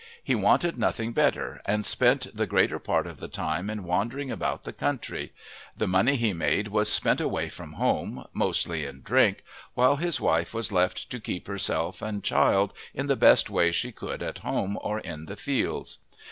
He wanted nothing better, and spent the greater part of the time in wandering about the country; the money he made was spent away from home, mostly in drink, while his wife was left to keep herself and child in the best way she could at home or in the fields.